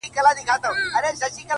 • بيا به تاوان راکړې د زړگي گلي،